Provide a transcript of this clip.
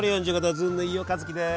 ずんの飯尾和樹です。